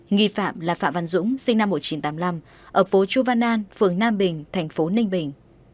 nghi phạm là phạm văn dũng sinh năm một nghìn chín trăm tám mươi năm ở phố chu văn an phường nam bình thành phố ninh bình